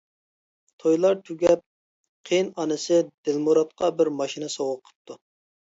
تويلار تۈگەپ قېيىن ئانىسى دىلمۇراتقا بىر ماشىنا سوۋغا قىپتۇ.